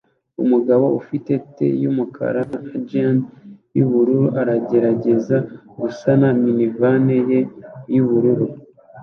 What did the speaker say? Umugabo ufite tee yumukara na jeans yubururu aragerageza gusana minivani ye yubururu